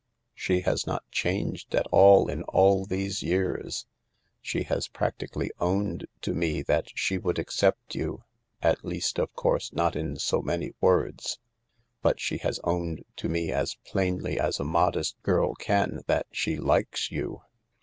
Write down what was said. She has not changed at all in all these years. She has practically owned to me that she would accept you* — at least, of course, not in so many words, but she has owned to me as plainly as a modest girl can that she likes you.